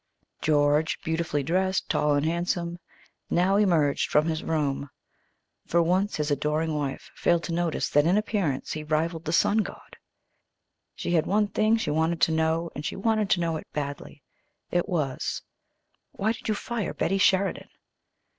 George, beautifully dressed, tall and handsome, now emerged from his room. For once his adoring wife failed to notice that in appearance he rivaled the sun god. She had one thing she wanted to know, and she wanted to know it badly. It was, "Why did you fire Betty Sheridan?"